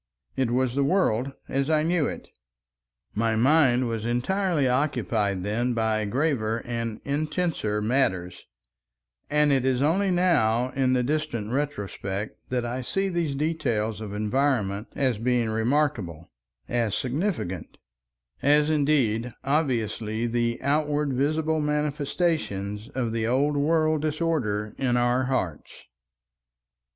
It was the world as I knew it. My mind was entirely occupied then by graver and intenser matters, and it is only now in the distant retrospect that I see these details of environment as being remarkable, as significant, as indeed obviously the outward visible manifestations of the old world disorder in our hearts.